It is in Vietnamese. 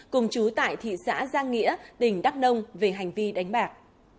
cùng chú tại thị xã giang nghĩa tỉnh đắk nông về hành vi đánh bạc